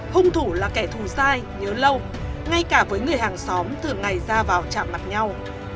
hung thủ là kẻ thù sai nhớ lâu ngay cả với người hàng xóm thường ngày ra vào chạm mặt nhau